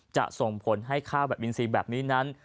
จะส่งผลให้ข้าวแบบอินซีแบบนี้นั้น